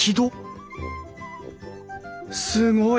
すごい！